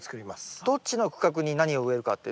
どっちの区画に何を植えるかってどうしますか？